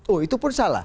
oh itu pun salah